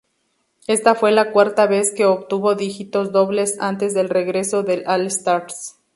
Esta fue la cuarta vez que obtuvo dígitos dobles antes del regreso del All-Stars.